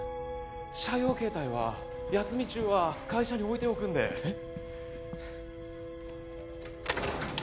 社用携帯は休み中は会社に置いておくんでえっ？